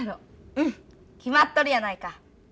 うん決まっとるやないか。